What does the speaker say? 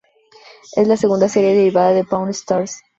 Es la segunda serie derivada de Pawn Stars.